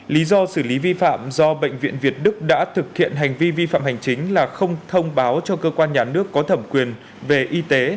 lý do xử lý vi phạm do bệnh viện việt đức đã thực hiện hành vi vi phạm hành chính là không thông báo cho cơ quan nhà nước có thẩm quyền về y tế